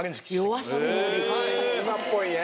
今っぽいね。